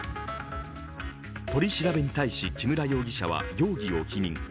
取り調べに対し、木村容疑者は容疑を否認。